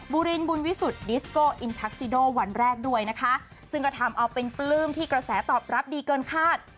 ูรินบุญวิสุทธิโก้อินทักซิโดวันแรกด้วยนะคะซึ่งก็ทำเอาเป็นปลื้มที่กระแสตอบรับดีเกินคาด